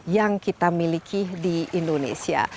yang kita miliki di indonesia